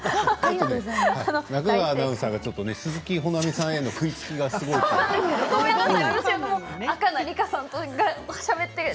中川アナウンサーの鈴木保奈美さんへの食いつきがすごい。